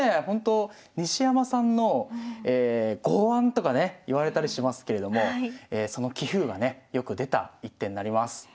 本当西山さんの剛腕とかね言われたりしますけれどもその棋風がねよく出た一手になります。